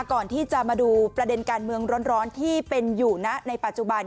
ก่อนที่จะมาดูประเด็นการเมืองร้อนที่เป็นอยู่นะในปัจจุบัน